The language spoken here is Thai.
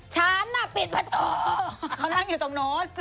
โชว์ตัวเอง